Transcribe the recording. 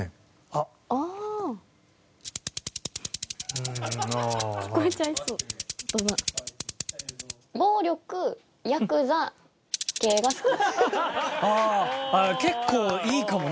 「ああああ結構いいかも。